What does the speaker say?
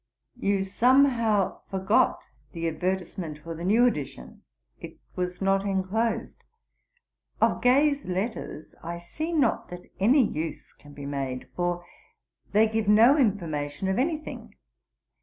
'You somehow forgot the advertisement for the new edition. It was not inclosed. Of Gay's Letters I see not that any use can be made, for they give no information of any thing.